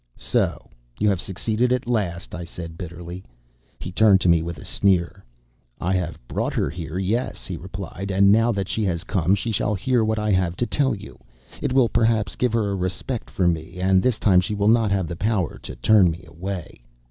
"So you have succeeded at last," I said bitterly. He turned to me with a sneer. "I have brought her here, yes," he replied. "And now that she has come, she shall hear what I have to tell you. It will perhaps give her a respect for me, and this time she will not have the power to turn me away."